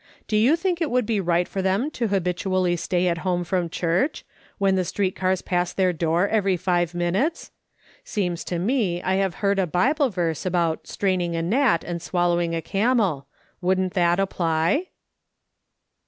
J)o you think it would be right for them to habitually stay at home from church, when the street cars pass their door every five minutes ? Seems to me I 2 1 1 6 MRS. SOL OMON SMITH L 00 KING ON. I liave heard a Bible verse about ' straining at a gnat and swallowing a camel'; wouldn't that apply?"